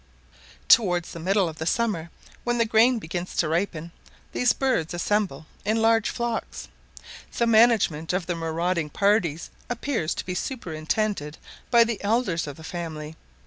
Towards the middle of the summer, when the grain begins to ripen, these birds assemble in large flocks: the management of their marauding parties appears to be superintended by the elders of the family.